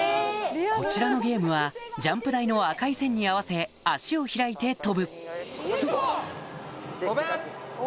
こちらのゲームはジャンプ台の赤い線に合わせ足を開いて飛ぶ飛べ！